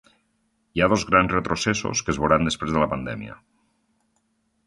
Hi ha dos grans retrocessos que es veuran després de la pandèmia.